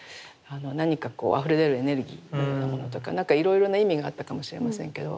何かこうあふれ出るエネルギーというようなものとか何かいろいろな意味があったかもしれませんけど。